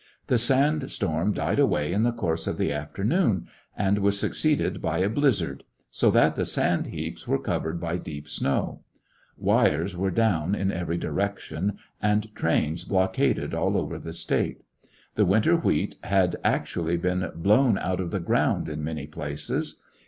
The sand storm died away in the course of the afternoon^ and was succeeded by a bliz zard^ so that the sand heaps were covered by ^ deep snow. Wires were down in every diree _ tion and trains blockaded all over the State, I The winter wheat had actuaUy been blown i out of the ground in many places.